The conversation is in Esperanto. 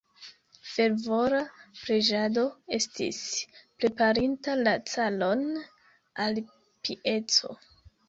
Fervora preĝado estis preparinta la caron al pieco.